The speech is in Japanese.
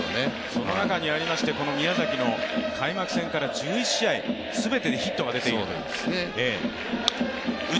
その中にありまして宮崎の開幕戦から１１試合全てにヒットが出ていると。